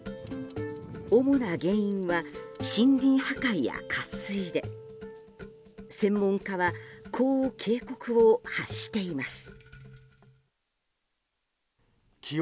主な原因は森林破壊や渇水で専門家はこう警告を発しています。